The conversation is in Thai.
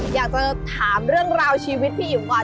อยากจะถามเรื่องราวชีวิตพี่อิ๋วก่อน